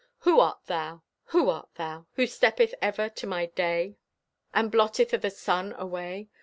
Who art thou? Who art thou, Who steppeth ever to my day, And blotteth o' the sun away?